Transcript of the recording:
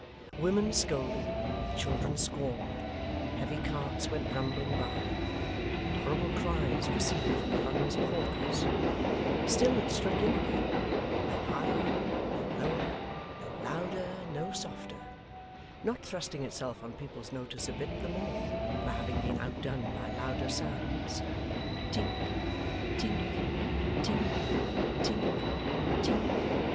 Women scolded, children squalled, heavy carts went rumbling by, horrible cries proceeded from the lungs of hawkers; still it struck in again, no higher, no lower, no louder, no softer; not thrusting itself on people's notice a bit the more for having been outdone by louder sounds tink, tink, tink, tink, tink.